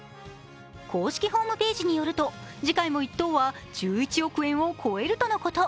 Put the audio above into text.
公式ホームページによると、次回も１等は１１億円を超えるとのこと。